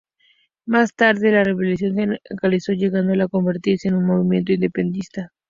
Más tarde la rebelión se radicalizó llegando a convertirse en un movimiento independentista.